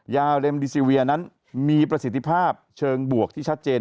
ยาเร็มดิซีเวียนั้นมีประสิทธิภาพเชิงบวกที่ชัดเจน